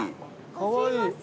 かわいい。